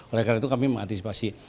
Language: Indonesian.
oleh karena itu kami mengantisipasi